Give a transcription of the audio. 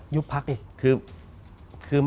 ยุบพักอีก